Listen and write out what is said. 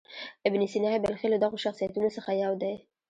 ابن سینا بلخي له دغو شخصیتونو څخه یو دی.